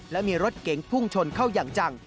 และมีรถเก๋งพุ่งชนเข้าอย่างจัง